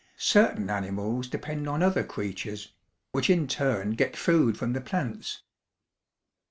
Certain animals depend on other creatures, which in turn get food from the plants.